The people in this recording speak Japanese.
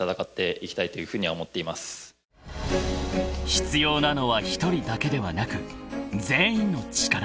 ［必要なのは１人だけではなく全員の力］